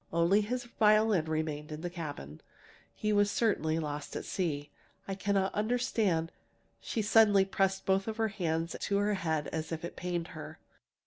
Only his violin remained in the cabin. He was certainly lost at sea. I cannot understand " She suddenly pressed both hands to her head as if it pained her.